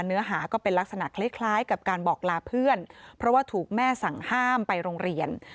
เนื้อหาก็เป็นลักษณะคล้ายกับการบอกลาเพื่อนเพราะว่าถูกแม่สั่งห้ามไปโรงเรียน